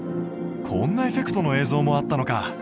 こんなエフェクトの映像もあったのか。